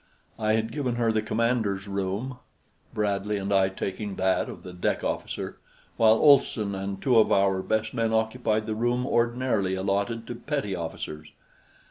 I had given her the commander's room, Bradley and I taking that of the deck officer, while Olson and two of our best men occupied the room ordinarily allotted to petty officers.